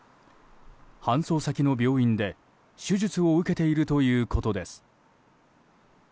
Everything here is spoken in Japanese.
搬送先の病院で、手術を受けているということです。